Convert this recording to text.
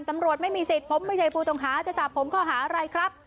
ตำรวจไม่มีสิทธิ์ผมไม่ใช่ผู้ต้องหาจะจับผมข้อหาอะไรครับ